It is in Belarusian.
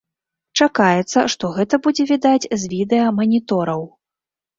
Чакаецца, што гэта будзе відаць з відэаманітораў!